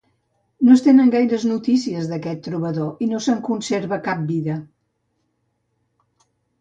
No es tenen gaires notícies d'aquest trobador i no se'n conserva cap vida.